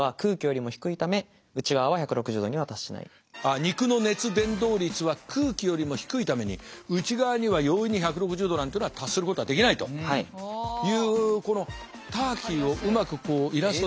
あ肉の熱伝導率は空気よりも低いために内側には容易に１６０℃なんていうのは達することはできないというこのターキーをうまくイラストで。